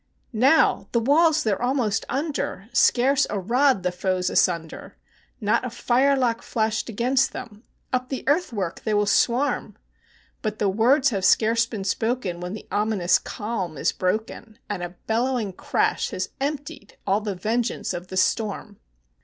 Now! the walls they're almost under! scarce a rod the foes asunder! Not a firelock flashed against them! up the earth work they will swarm! But the words have scarce been spoken, when the ominous calm is broken, And a bellowing crash has emptied all the vengeance of the storm!